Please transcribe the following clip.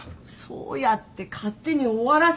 そうやって勝手に終わらせる。